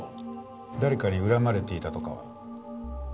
誰かに恨まれていたとかは？